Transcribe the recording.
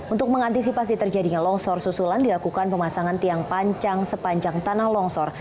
untuk mengantisipasi terjadinya longsor susulan dilakukan pemasangan tiang panjang sepanjang tanah longsor